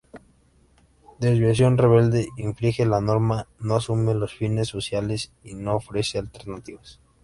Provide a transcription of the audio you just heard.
Desviación rebelde:Infringe la norma, no asume los fines sociales y no ofrece alternativas.